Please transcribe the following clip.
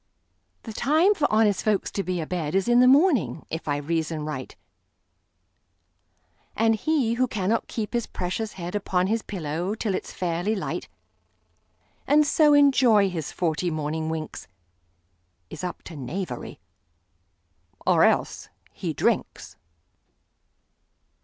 The time for honest folks to be a bedIs in the morning, if I reason right; And he who cannot keep his precious headUpon his pillow till it 's fairly light, And so enjoy his forty morning winks, Is up to knavery; or else—he drinks!